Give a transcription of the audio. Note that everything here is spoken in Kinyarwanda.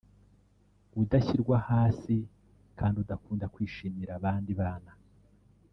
udashyirwa hasi kandi udakunda kwishimira abandi bana